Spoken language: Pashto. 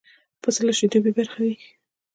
پسه له شیدو بې برخې وي.